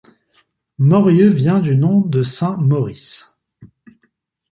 Morieux vient du nom de saint Maurice.